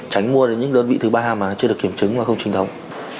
tránh mua đến những đơn vị thứ ba mà chưa được kiểm chứng và không chính thống